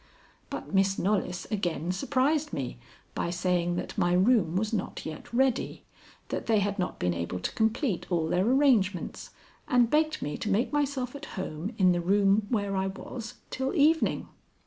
But Miss Knollys again surprised me by saying that my room was not yet ready; that they had not been able to complete all their arrangements, and begged me to make myself at home in the room where I was till evening.